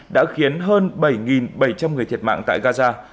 đã khiến hơn bảy bảy trăm linh người thiệt mạng tại gaza